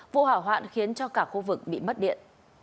vụ hỏa hoạn khiến cho cả khu vực bị mất điện